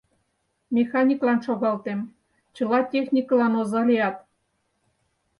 Механиклан шогалтем, чыла техникылан оза лият...»